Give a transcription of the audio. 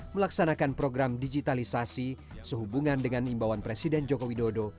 melaksanakan program digitalisasi sehubungan dengan imbauan presiden joko widodo